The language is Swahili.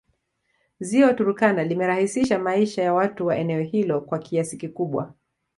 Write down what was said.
Ziwa Turkana limerahisisha maisha wa watu wa eneo hilo kwa kiasi kikubwa